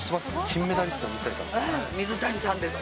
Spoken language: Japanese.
金メダリストの水谷さんです。